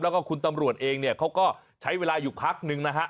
แล้วก็คุณตำรวจเองเนี่ยเขาก็ใช้เวลาอยู่พักนึงนะฮะ